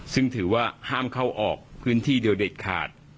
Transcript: ซึ่งถือว่าห้ามเข้าออกพื้นที่เดียวเด็ดขาด